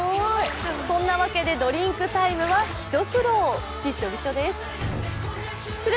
そんなわけでドリンクタイムは一苦労、びしょびしょです。